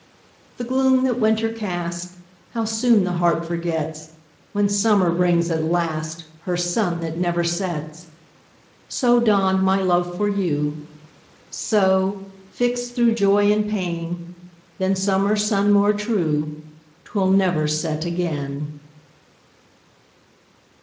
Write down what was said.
The gloom that winter cast, How soon the heart forgets, When summer brings, at last, Her sun that never sets! So dawned my love for you; So, fixt thro' joy and pain, Than summer sun more true, 'Twill never set again.